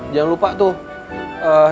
jangan lupa tuh